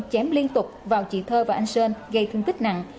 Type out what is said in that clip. chém liên tục vào chị thơ và anh sơn gây thương tích nặng